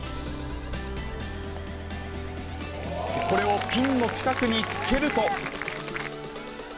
これをピンの近くにつけると。